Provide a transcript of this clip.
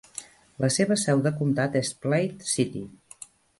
La seva seu de comtat és Platte City.